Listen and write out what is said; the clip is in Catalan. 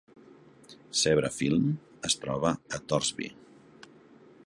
Sebra Film es troba a Torsby.